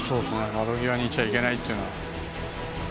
窓際にいちゃいけないっていうのは。